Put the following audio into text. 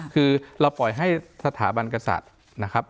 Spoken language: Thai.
คือเราปล่อยให้สถาบันกษัตริย์นะครับ